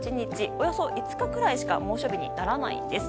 およそ５日くらいしか猛暑日にならないんです。